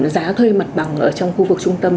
giá thuê mặt bằng trong khu vực trung tâm